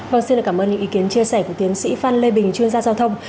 vâng xin cảm ơn những ý kiến chia sẻ của tiến sĩ phan lê bình chuyên gia giao thông